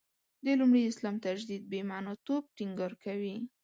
د لومړي اسلام تجدید «بې معنا» توب ټینګار کوي.